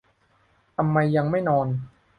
ทำไมยังไม่นอน